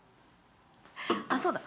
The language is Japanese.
あっそうだ。